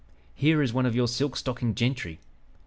Here is one of your 'silk stocking gentry!'"